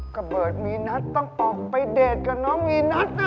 ระเบิดมีนัทต้องออกไปเดทกับน้องมีนัทนะ